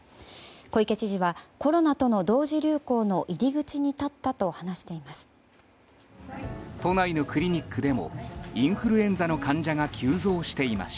小池知事はコロナとの同時流行の入り口に立ったと話しています。